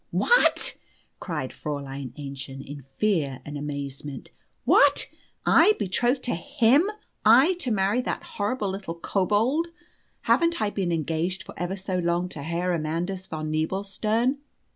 "What?" cried Fräulein Aennchen, in fear and amazement. "What? I betrothed to him I to marry that horrible little kobold? Haven't I been engaged for ever so long to Herr Amandus von Nebelstern?